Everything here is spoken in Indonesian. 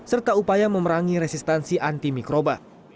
serta upaya memerangi resistansi antimikroba